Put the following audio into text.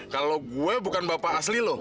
kalau gue bukan bapak asli loh